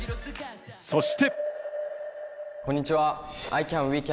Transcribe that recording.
そして。